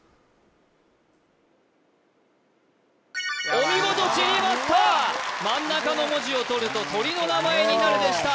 お見事地理マスター真ん中の文字を取ると鳥の名前になるでした